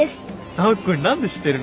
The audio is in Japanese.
ナオキ君何で知ってるの？